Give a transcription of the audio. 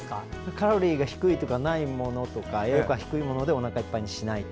カロリーが低い、ないもの栄養価が低いものでおなかいっぱいにしない。